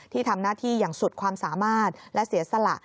ที่ทำหน้าที่อย่างสุดความสามารถและเสียสละ